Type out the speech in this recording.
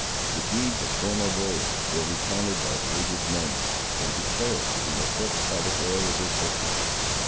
The deeds of former warriors were recounted by the aged men, and declared to be eclipsed by the glory of this victory.